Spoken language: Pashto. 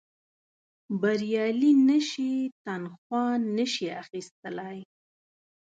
بریالي نه شي تنخوا نه شي اخیستلای.